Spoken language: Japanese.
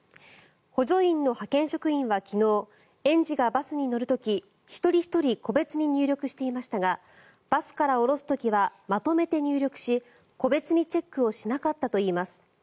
補助員の派遣職員は昨日園児がバスに乗る時一人ひとり個別に入力していましたがバスから降ろす時はまとめて入力し個別にチェックをしなかったといいます。